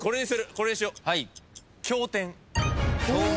これにしよ。